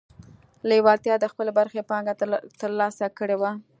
لېوالتیا د خپلې برخې پانګه ترلاسه کړې وه